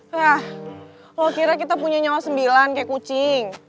wah kira kita punya nyawa sembilan kayak kucing